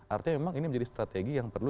artinya memang ini menjadi strategi yang perlu